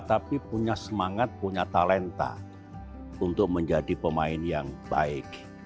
tapi punya semangat punya talenta untuk menjadi pemain yang baik